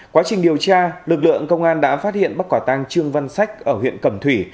quá trình điều tra lực lượng công an đã phát hiện bắt quả tang trương văn sách ở huyện cẩm thủy